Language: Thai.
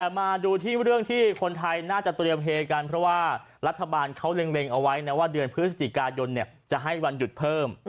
มาดูที่เรื่องที่คนไทยน่าจะเตรียมเฮกันเพราะว่ารัฐบาลเขาเล็งเอาไว้นะว่าเดือนพฤศจิกายนจะให้วันหยุดเพิ่ม